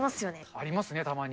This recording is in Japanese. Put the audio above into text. ありますね、たまに。